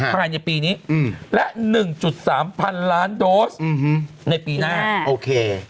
ภายในปีนี้และ๑๓พันล้านโดสในปีหน้าโอเค